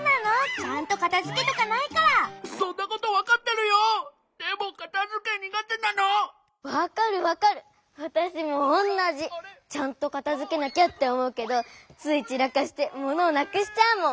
ちゃんとかたづけなきゃっておもうけどついちらかしてものをなくしちゃうもん！